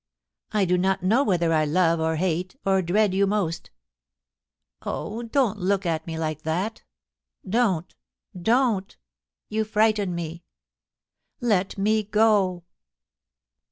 I do not know whether I love or hate or dread you most ... Oh ! don't look at me like that Don't, don't ! you frighten me. Let me go.'